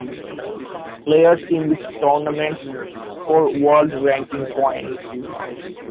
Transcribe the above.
Players in these tournaments score world ranking points.